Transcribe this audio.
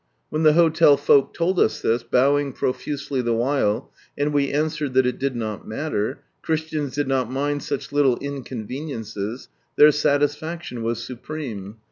When the hotel folk toUl us this, bowing profusely the while, and we answered that it did not matter — Christians did not mind such little incon veniences, their satisfaction was supreme.